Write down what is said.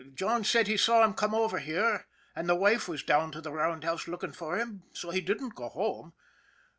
John said he saw him come over here, and the wife was down to the roundhouse looking for him, so he didn't go home.